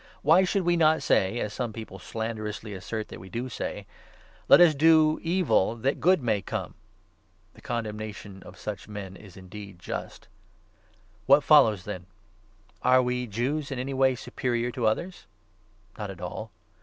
Why 8 should we not say — as some people slanderously assert that we do say —' Let us do evil that good may come '? The condemnation of such men is indeed just ! What follows, then ? Are we Jews in any way superior to 9 others ? Not at all.